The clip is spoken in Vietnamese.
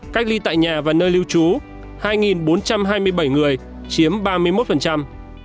cách ly tại nhà và nơi lưu trú hai bốn trăm hai mươi bảy người chiếm ba mươi một